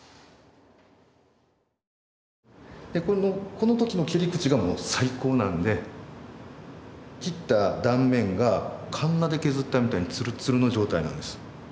この時の切り口がもう最高なんで切った断面がカンナで削ったみたいにツルツルの状態なんです。